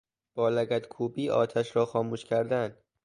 با لگد کوبی آتش را خاموش کردن